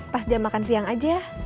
pas jam makan siang aja